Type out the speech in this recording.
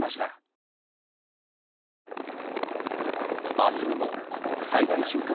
明日にも最大瞬間